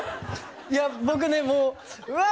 いや僕ねもううわー！